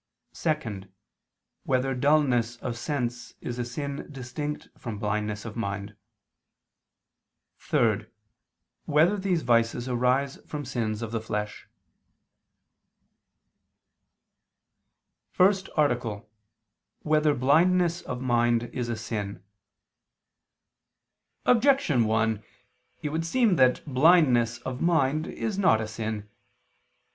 (2) Whether dulness of sense is a sin distinct from blindness of mind? (3) Whether these vices arise from sins of the flesh? _______________________ FIRST ARTICLE [II II, Q. 15, Art. 1] Whether Blindness of Mind Is a Sin? Objection 1: It would seem that blindness of mind is not a sin.